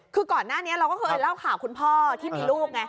ก่อนหน้าเนี้ยเราก็เคยเล่าข่าวคุณพ่อที่มีลูกเนี่ย